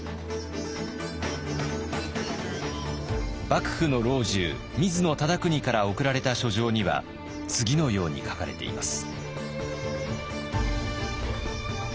幕府の老中水野忠邦から贈られた書状には次のように書かれています。